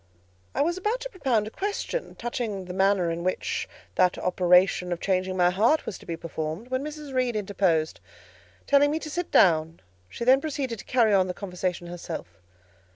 I was about to propound a question, touching the manner in which that operation of changing my heart was to be performed, when Mrs. Reed interposed, telling me to sit down; she then proceeded to carry on the conversation herself.